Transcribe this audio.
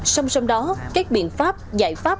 song song đó các biện pháp giải pháp